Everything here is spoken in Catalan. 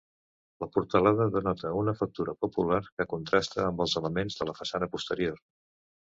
La portalada denota una factura popular, que contrasta, amb els elements de la façana posterior.